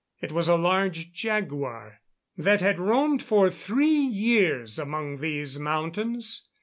It was a large jaguar, that had roamed for three years among these mountains.